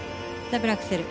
ダブルアクセル。